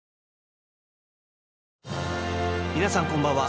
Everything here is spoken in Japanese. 皆さんこんばんは。